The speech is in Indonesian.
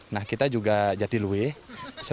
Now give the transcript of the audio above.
nah kita juga jatiluwe